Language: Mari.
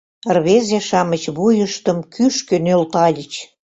Рвезе-шамыч вуйыштым кӱшкӧ нӧлтальыч.